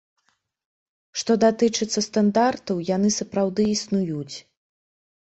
Што датычыцца стандартаў, яны сапраўды існуюць.